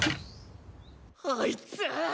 あいつ！